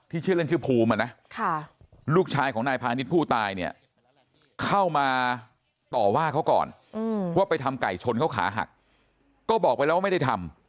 ที่เล่นชื่อภูมฟ์ลูกชายของนายพาณิชย์ผู้ตาย